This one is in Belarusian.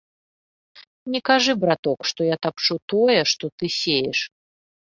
Не кажы, браток, што я тапчу тое, што ты сееш.